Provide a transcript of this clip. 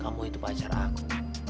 kamu itu pacar aku